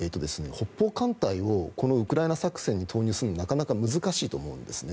北方艦隊をウクライナ作戦に投入するのはなかなか難しいと思うんですね。